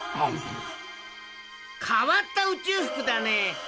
変わった宇宙服だね。